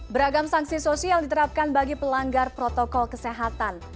beragam sanksi sosial diterapkan bagi pelanggar protokol kesehatan